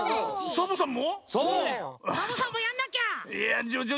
サボさんもやんなきゃ。